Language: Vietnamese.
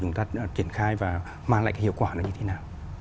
chúng ta đã triển khai và mang lại hiệu quả như thế nào